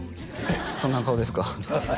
えっそんな顔ですか？